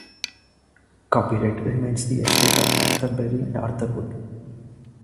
Copyright remains with the estate of Arthur Berry and Arthur Wood.